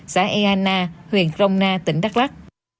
xã eana huyện rồng na tỉnh đắk lắc